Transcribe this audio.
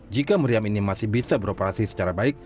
jika meriam ini masih bisa beroperasi secara baik